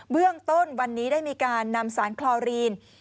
เบื้องต้นวันนี้ได้มีการนำสารคลอรีน